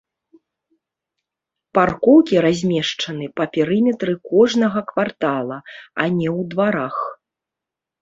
Паркоўкі размешчаны па перыметры кожнага квартала, а не ў дварах.